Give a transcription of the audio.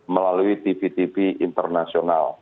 melalui tv tv internasional